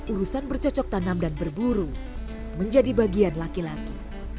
urusan bercocok tanam dan berburu menjadi bagian laki laki